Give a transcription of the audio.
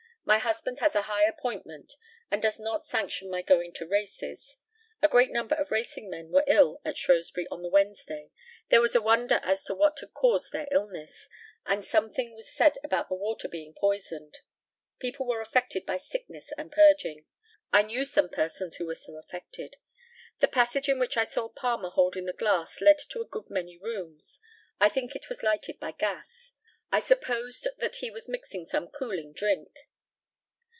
My husband has a high appointment, and does not sanction my going to races. A great number of racing men were ill at Shrewsbury on the Wednesday. There was a wonder as to what had caused their illness, and something was said about the water being poisoned. People were affected by sickness and purging. I knew some persons who were so affected. The passage in which I saw Palmer holding the glass led to a good many rooms. I think it was lighted by gas. I supposed that he was mixing some cooling drink.